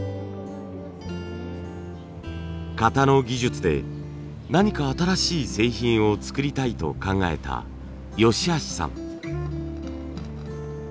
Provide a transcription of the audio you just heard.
型の技術で何か新しい製品を作りたいと考えた吉橋さん。